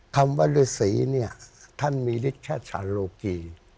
คำว่าฤษีเนี่ยท่านมีริจชะเชิญโลกี